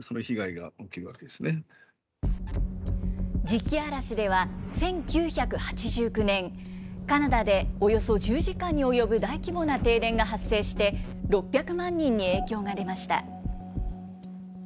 磁気嵐では、１９８９年、カナダでおよそ１０時間に及ぶ大規模な停電が発生して、６００万人に影響が出ました。